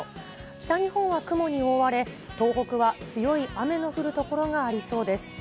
北日本は雲に覆われ、東北は強い雨の降る所がありそうです。